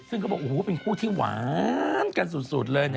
ซึ่งเขาบอกโอ้โหเป็นคู่ที่หวานกันสุดเลย